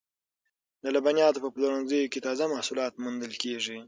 د لبنیاتو په پلورنځیو کې تازه محصولات موندل کیږي.